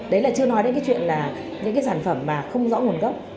đấy là chưa nói đến cái chuyện là những cái sản phẩm mà không rõ nguồn gốc